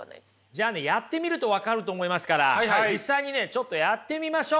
じゃあねやってみると分かると思いますから実際にねちょっとやってみましょう。